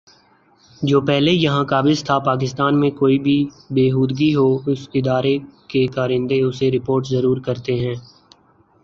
جو پہلے یہاں قابض تھا پاکستان میں کوئی بھی بے ہودگی ہو اس ادارے کے کارندے اسے رپورٹ ضرور کرتے ہیں